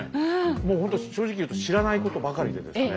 もうほんと正直言うと知らないことばかりでですね